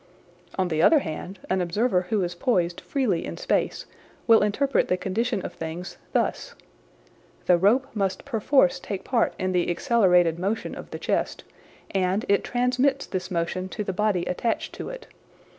On the other hand, an observer who is poised freely in space will interpret the condition of things thus :" The rope must perforce take part in the accelerated motion of the chest, and it transmits this motion to the body attached to it.